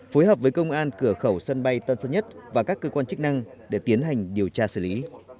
phối hợp với công an cửa khẩu sân bay tân sơn nhất và các cơ quan chức năng để tiến hành điều tra xử lý